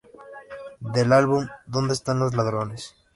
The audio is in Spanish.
Del álbum "¿Dónde están los ladrones?